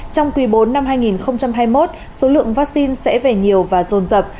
trong quý bốn năm hai nghìn hai mươi một số lượng vaccine sẽ về nhiều và rồn rập